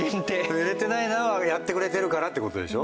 「揺れてないなあ」はあれをやってくれてるからって事でしょ。